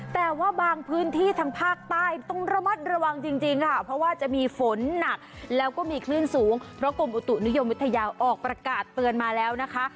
แต่ว่าบางพื้นที่ทางภาคใต้ต้องระมัดระวังจริงค่ะเพราะว่าจะมีฝนหนักแล้วก็มีคลื่นสูงเพราะกรมอุตุนิยมวิทยาออกประกาศเตือนมาแล้วนะคะ